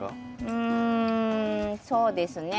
うんそうですね。